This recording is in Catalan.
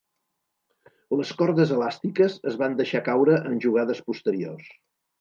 Les cordes elàstiques es van deixar caure en jugades posteriors.